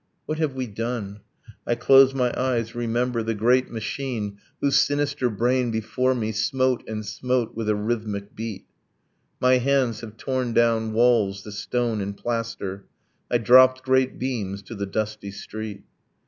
What have we done? I close my eyes, remember The great machine whose sinister brain before me Smote and smote with a rhythmic beat. My hands have torn down walls, the stone and plaster. I dropped great beams to the dusty street.